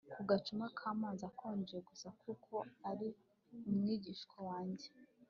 ku gacuma kamazi akonje gusa kuko ari umwigishwa wanjye